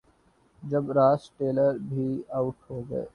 جب Ross Taylor بھی out ہو گئے۔